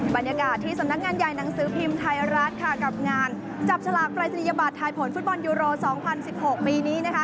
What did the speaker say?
บรรยากาศที่สำนักงานใหญ่หนังสือพิมพ์ไทยรัฐค่ะกับงานจับฉลากปรายศนียบัตรทายผลฟุตบอลยูโร๒๐๑๖ปีนี้นะคะ